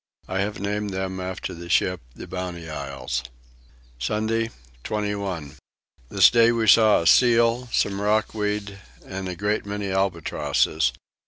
I have named them after the ship the Bounty Isles. Sunday 21. This day we saw a seal, some rock weed, and a great many albatrosses.